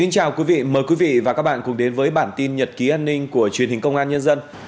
chào mừng quý vị đến với bản tin nhật ký an ninh của truyền hình công an nhân dân